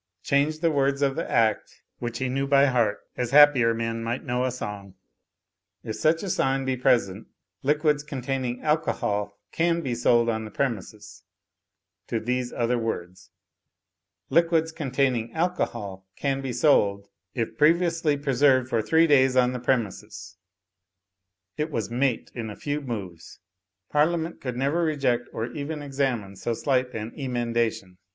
Change the words of the Act (which he knew by heart, as happier men might know a song) : "If such sign be present liquids containing alcohol can be sold on the premises," to these other words: "Liquids containing alcohol can be sold, if previously preserved for three days on the premises"; it was mate in a few moves. Parliament could never reject or even examine so slight an emen dation.